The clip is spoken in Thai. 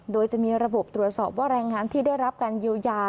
โดยจะมีระบบตรวจสอบว่าแรงงานที่ได้รับการเยียวยา